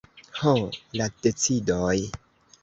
Ho, la decidoj!